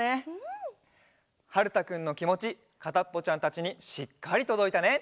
はるたくんのきもちかたっぽちゃんたちにしっかりとどいたね。